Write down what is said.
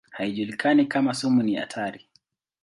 Haijulikani kama sumu ni hatari.